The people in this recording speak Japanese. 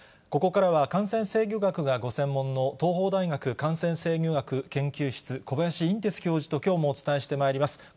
ここからは感染制御学がご専門の東邦大学感染制御学研究室、小林寅てつ教授ときょうもお伝えしてまいります。